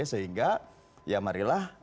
sehingga ya marilah